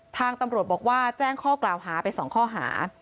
ทางตำรวจบอกว่าแจ้งข้อกล่าวหาไป๒ข้อหา